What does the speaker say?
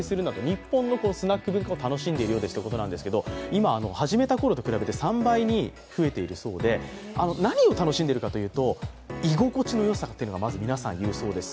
今、始めたころと比べて３倍に増えたそうで何を楽しんでいるかというと居心地のよさというのをまず皆さん言うそうです。